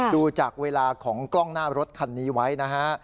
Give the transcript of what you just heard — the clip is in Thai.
ดูจากเวลาของกล้องหน้ารถคันนี้ไว้นะฮะ